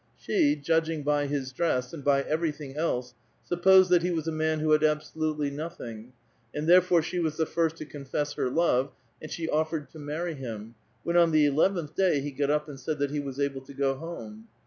She, judging by his dress, and b}' everything else, supposed that he was a man who had absolutely nothing, and therefore she was the fii*st to confess her love, and she ofifered to maiTy him, when on the eleventh day he got up and said that he was able to go home.